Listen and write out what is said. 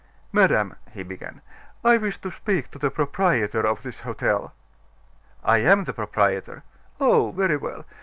"Madame," he began, "I wish to speak to the proprietor of this hotel." "I am the proprietor." "Oh! very well.